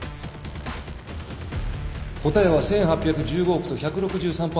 答えは１，８１５億と１６３％。